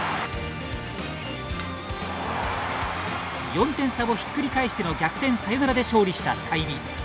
４点差をひっくり返しての逆転サヨナラで勝利した済美。